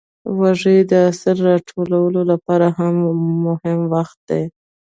وږی د حاصل راټولو لپاره مهم وخت دی.